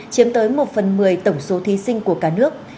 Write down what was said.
chiếm tới một phần một mươi tổng số thí sinh của cả nước